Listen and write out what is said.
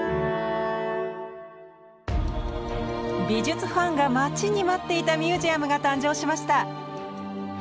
美術ファンが待ちに待っていたミュージアムが誕生しました。